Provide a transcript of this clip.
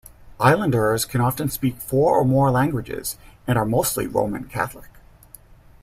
Islanders can often speak four or more languages and are mostly Roman Catholic.